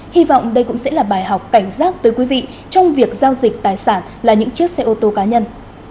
hy vọng đây cũng sẽ là bài học cảnh giác tới quý vị trong việc giao dịch tài sản là những chiếc xe ô tô cá nhân